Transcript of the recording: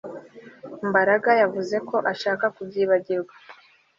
Mbaraga yavuze ko ashaka kubyibagirwa